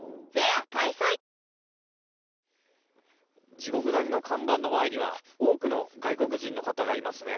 地獄谷の看板の前には多くの外国人の方がいますね。